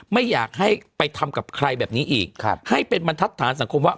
ไม่อยากให้ไปทำกับใครแบบนี้อีกให้เป็นบรรทัศนสังคมว่า